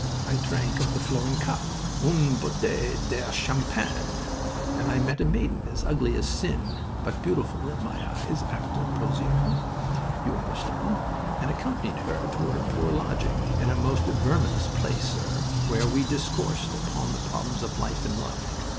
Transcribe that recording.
I drank of the flowing cup une bouteille de champagne and I met a maiden as ugly as sin, but beautiful in my eyes after Pozieres you understand and accompanied her to her poor lodging in a most verminous place, sir where we discoursed upon the problems of life and love.